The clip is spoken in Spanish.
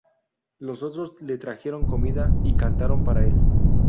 Los otros le trajeron comida y cantaron para el.